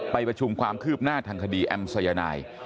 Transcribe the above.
ประชุมความคืบหน้าทางคดีแอมสายนาย